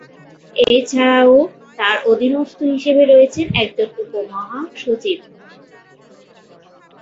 এছাড়াও, তার অধীনস্থ হিসেবে রয়েছেন একজন উপ-মহাসচিব।